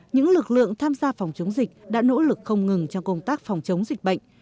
những lực lượng tham gia phòng chống dịch đã nỗ lực không ngừng trong công tác phòng chống dịch bệnh